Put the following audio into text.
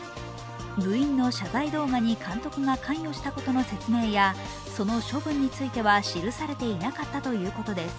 部員の謝罪動画に監督が関与したことの説明やその処分については記されていなかったということです。